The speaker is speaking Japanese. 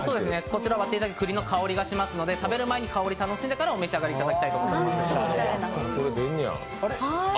こちら、栗の香りがしますので食べる前に香りを楽しんでから召し上がっていただきたいと思います。